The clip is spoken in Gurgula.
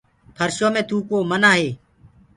ڦرشو مي ٿوڪوو منآ هي۔